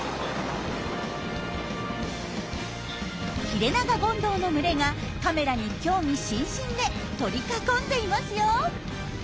ヒレナガゴンドウの群れがカメラに興味津々で取り囲んでいますよ。